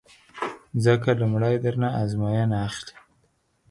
ځکه لومړی در نه ازموینه اخلي